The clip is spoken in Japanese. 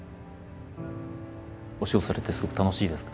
お仕事されてすごく楽しいですか？